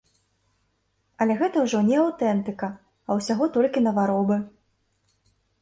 Але гэта ўжо не аўтэнтыка, а ўсяго толькі наваробы.